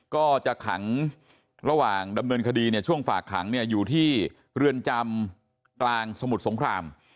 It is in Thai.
ก็จะขังระหว่างดำเนินคดีเนี่ยช่วงฝากขังเนี่ยอยู่ที่เรือนจำกลางสมุทรสงคราม